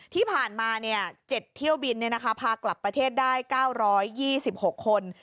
ที่ผ่านมา๗เที่ยวบินพากลับประเทศได้๙๒๖คน